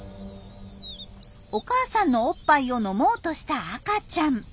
お母さんのおっぱいを飲もうとした赤ちゃん。